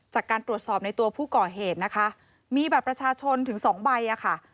จากการตรวจสอบในตัวผู้ก่อเหตุนะคะมีบัตรประชาชนถึงสองใบอ่ะค่ะ